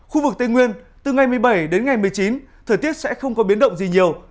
khu vực tây nguyên từ ngày một mươi bảy đến ngày một mươi chín thời tiết sẽ không có biến động gì nhiều